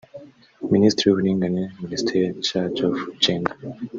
Minisitiri w’uburinganire(Minister in charge of gender)